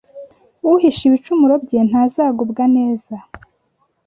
uhisha ibicumuro bye ntazagubwa neza,